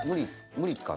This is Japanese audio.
無理か。